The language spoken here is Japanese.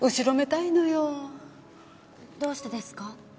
どうしてですか？